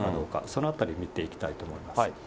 そのあたり見ていきたいと思います。